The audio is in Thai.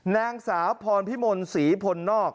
นางสาวพรพิมลศรีพลนอก